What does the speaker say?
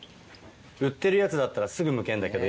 売ってるやつだったらすぐむけんだけど。